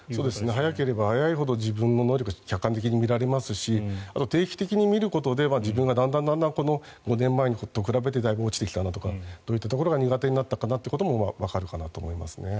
早ければ早いほど自分の能力が客観的に見られますしあと定期的に見ることで自分がだんだん５年前と比べてだいぶ落ちてきたなとかどういったところが苦手になったかなというのがわかると思いますね。